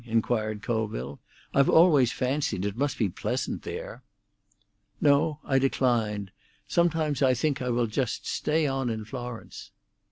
inquired Colville. "I've always fancied it must be pleasant there." "No; I declined. Sometimes I think I will just stay on in Florence."